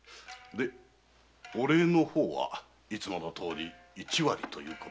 でお礼の方はいつものとおり一割で。